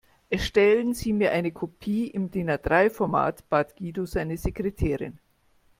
Erstellen Sie mir eine Kopie im DIN-A-drei Format, bat Guido seine Sekretärin.